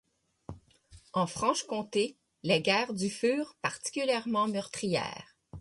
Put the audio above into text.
En Franche-Comté, les guerres du furent particulièrement meurtrières.